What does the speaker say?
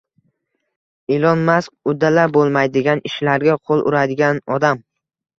Ilon Mask «uddalab bo‘lmaydigan ishlarga qo‘l uradigan odam»